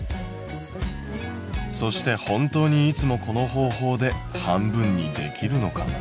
そして本当にいつもこの方法で半分にできるのかな？